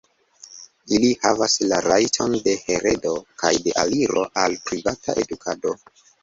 Ili havis la rajton de heredo kaj de aliro al privata edukado!